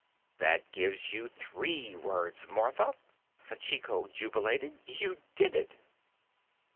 "That gives you three words, Martha!" Sachiko jubilated. "You did it."